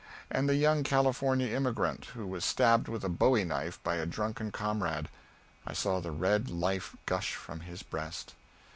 And the young California emigrant who was stabbed with a bowie knife by a drunken comrade: I saw the red life gush from his breast.